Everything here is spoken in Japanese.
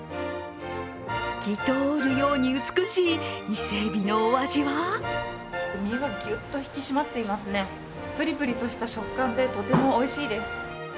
透き通るように美しい伊勢えびのお味は身がぎゅっと引き締まっていますねぷりぷりとした食感でとてもおいしいです。